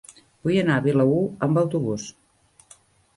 Vull anar a Vilaür amb autobús.